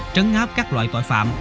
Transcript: trấn áp các loại tội phạm